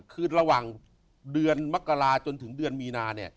คือระหว่างเดือนมกราจนถึงเดือนมีนา